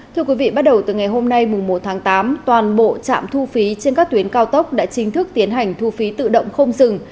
thưa quý vị bắt đầu từ ngày hôm nay một tháng tám toàn bộ trạm thu phí trên các tuyến cao tốc đã chính thức tiến hành thu phí tự động không dừng